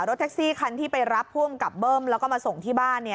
แท็กซี่คันที่ไปรับผู้อำกับเบิ้มแล้วก็มาส่งที่บ้าน